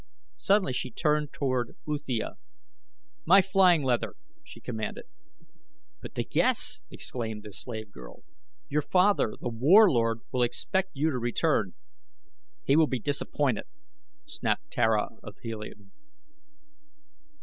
Suddenly she turned toward Uthia. "My flying leather!" she commanded. "But the guests!" exclaimed the slave girl. "Your father, The Warlord, will expect you to return." "He will be disappointed," snapped Tara of Helium.